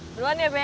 perluan ya be